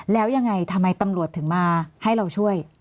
แล้วยังไงทำไมตำรวจถึงมาให้เราช่วย